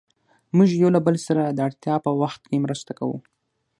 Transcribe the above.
موږ يو له بل سره د اړتیا په وخت کې مرسته کوو.